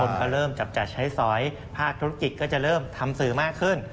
คนก็เริ่มจับจ่ายใช้สอยภาคธุรกิจก็จะเริ่มทำสื่อมากขึ้น